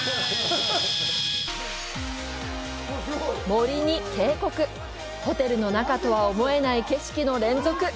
森に渓谷ホテルの中とは思えない景色の連続！